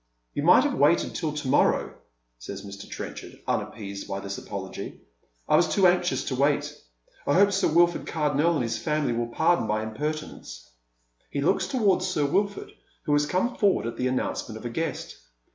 "You might have waited till to morrow," says Mr. Trenchar". unappeased by this apology. " I was too anxious to wait. I hope Sir Wilford Cardonnel and his family will pardon my impertmence." He looks towards Sir Wilford, who has come forward at the announcement of a guest.